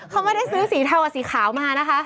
เขาไม่ได้ซื้อสีเทากับสีขาวมานะคะ